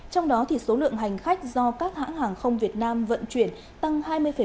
trong đó số lượng hành khách do các hãng hàng không việt nam vận chuyển tăng hai mươi năm